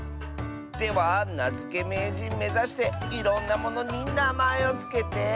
ではなづけめいじんめざしていろんなものになまえをつけて。